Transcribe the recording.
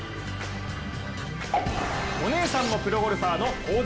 お姉さんもプロゴルファーの香妻